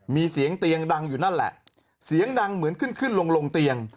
มีเสียงเตียงดังอยู่นั่นแหละเสียงดังเหมือนขึ้นขึ้นลงลงเตียง